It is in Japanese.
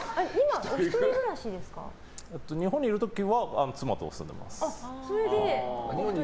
日本にいる時は妻と住んでいます。